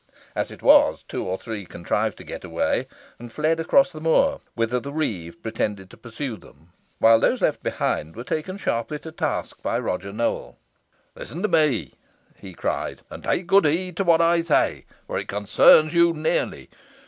As it was, two or three contrived to get away, and fled across the moor, whither the reeve pretended to pursue them; while those left behind were taken sharply to task by Roger Nowell. "Listen to me," he cried, "and take good heed to what I say, for it concerns you nearly.